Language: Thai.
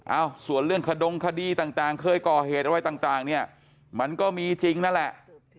เอ้าส่วนเรื่องขดงคดีต่างเคยก่อเหตุอะไรต่างเนี่ยมันก็มีจริงนั่นแหละ